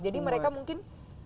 jadi mereka mungkin